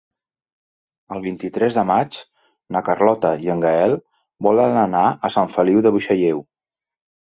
El vint-i-tres de maig na Carlota i en Gaël volen anar a Sant Feliu de Buixalleu.